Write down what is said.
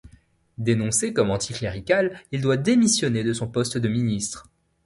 Dénoncé comme anticlérical, il doit démissionner de son poste de ministre.